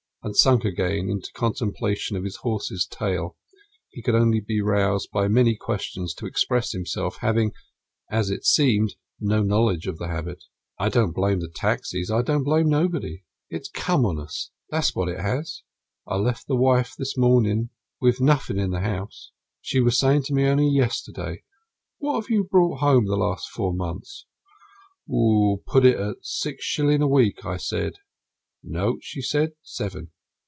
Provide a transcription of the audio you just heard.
And, sunk again in contemplation of his horse's tail, he could only be roused by many questions to express himself, having, as it seemed, no knowledge of the habit. "I don't blame the taxis, I don't blame nobody. It's come on us, that's what it has. I left the wife this morning with nothing in the house. She was saying to me only yesterday: 'What have you brought home the last four months?' 'Put it at six shillings a week,' I said. 'No,' she said, 'seven.'